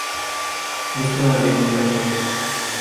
Es todavía un reto.